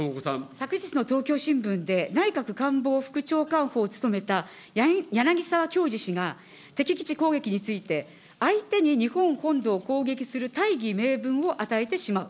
昨日の東京新聞で、内閣官房副長官補を務めたやなぎさわきょうじ氏が、敵基地攻撃について、相手に日本本土を攻撃する大義名分を与えてしまう。